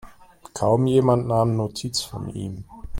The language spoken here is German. Kaum jemand nahm Notiz von ihm.